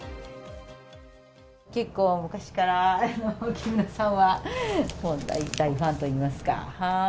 結構、昔から木村さんは、もう大大ファンといいますか。